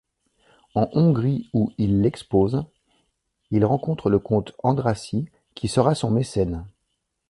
En Hongrie où il expose, il rencontre le Comte Andrássy qui sera son mécène.